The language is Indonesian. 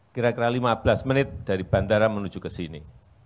kira kira lima belas menit dari bandara menuju ke sini